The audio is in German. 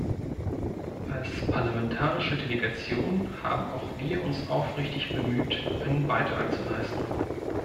Als parlamentarische Delegation haben auch wir uns aufrichtig bemüht, einen Beitrag zu leisten.